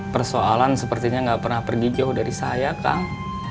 persoalan sepertinya gak pernah pergi jauh dari saya kang